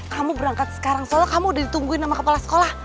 kamu berangkat sekarang soalnya kamu udah ditungguin sama kepala sekolah